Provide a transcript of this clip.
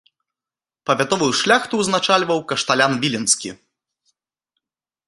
Павятовую шляхту ўзначальваў кашталян віленскі.